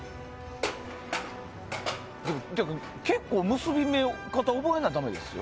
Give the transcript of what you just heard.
結び方、覚えないとだめですよ。